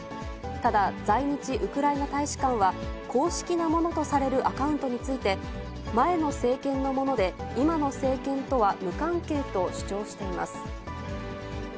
ただ、在日ウクライナ大使館は公式なものとされるアカウントについて、前の政権のもので、今の政権とは無関係と主張しています。